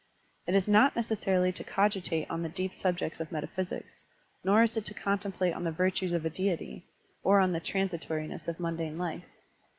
It is not necessarily to cogitate on the deep subjects of metaphysics, nor is it to contemplate on the virtues of a deity, or on the transitoriness of mtmdane life.